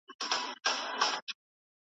د دنیا وروستۍ شېبې وروستی ساعت دی .